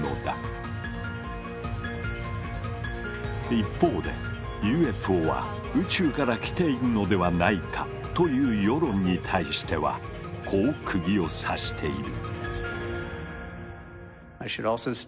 一方で「ＵＦＯは宇宙から来ているのではないか」という世論に対してはこうくぎを刺している。